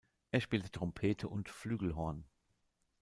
Er spielte Trompete und Flügelhorn.